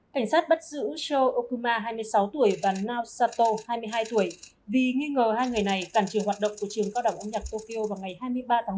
cảnh sát bắt giữ sho okuma hai mươi sáu tuổi và nao sato hai mươi hai tuổi vì nghi ngờ hai người này cản trường hoạt động của trường cao đẳng âm nhạc tokyo vào ngày hai mươi ba tháng một